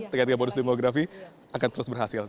tiga tiga bonus demografi akan terus berhasil